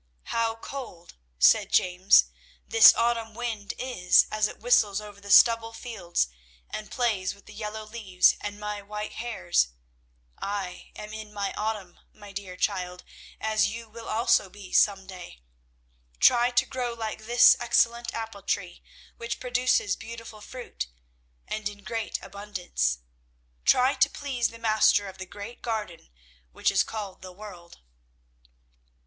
"How cold," said James, "this autumn wind is as it whistles over the stubble fields and plays with the yellow leaves and my white hairs. I am in my autumn, my dear child, as you will also be some day. Try to grow like this excellent apple tree, which produces beautiful fruit and in great abundance. Try to please the Master of the great garden which is called the world."